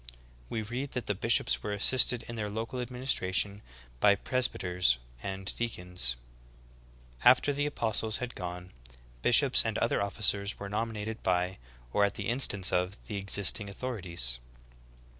We read that the bishops were assisted in their local adminis tration by presbyters and deacons. 4. After the apostles had gone, bishops and other offi cers were nominated by, or at the instance of, the existing authorities.